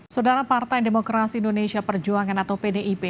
saudara partai demokrasi indonesia perjuangan atau pdip